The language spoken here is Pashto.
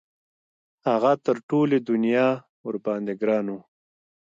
هغه تر ټولې دنیا ورباندې ګران وو.